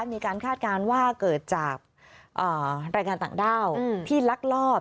คาดการณ์ว่าเกิดจากรายงานต่างด้าวที่ลักลอบ